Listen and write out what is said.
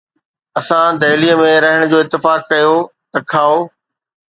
اسان دهليءَ ۾ رهڻ جو اتفاق ڪيو، ته کائو؟